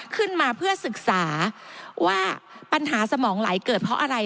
ขึ้นมาเพื่อศึกษาว่าปัญหาสมองไหลเกิดเพราะอะไร